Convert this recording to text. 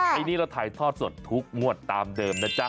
ปีนี้เราถ่ายทอดสดทุกงวดตามเดิมนะจ๊ะ